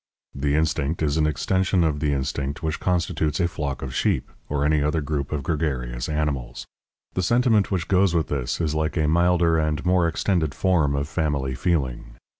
The instinct is an extension of the instinct which constitutes a flock of sheep, or any other group of gregarious animals. The sentiment which goes with this is like a milder and more extended form of family feeling.